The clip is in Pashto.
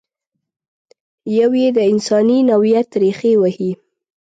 یو یې د انساني نوعیت ریښې وهي.